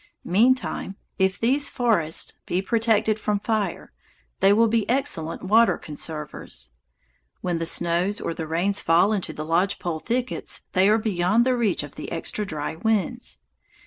Meantime, if these forests be protected from fire, they will be excellent water conservers. When the snows or the rains fall into the lodge pole thickets, they are beyond the reach of the extra dry winds.